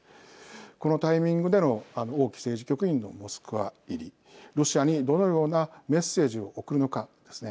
このタイミングでの王毅政治局委員のモスクワ入りロシアにどのようなメッセージを送るのかですね